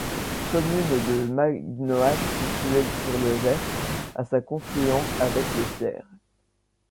Commune du Magnoac située sur le Gers, à sa confluence avec le Cier.